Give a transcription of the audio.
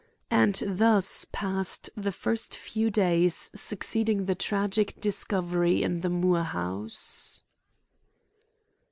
And thus passed the first few days succeeding the tragic discovery in the Moore house.